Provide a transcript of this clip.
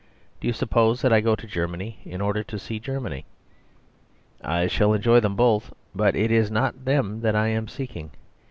Do you suppose that I go to Germany in order to see Germany? I shall enjoy them both; but it is not them that I am seeking.